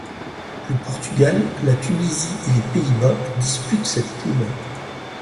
Le Portugal, la Tunisie et les Pays-Bas disputent cette poule.